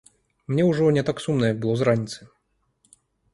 Мне ўжо не так сумна, як было з раніцы.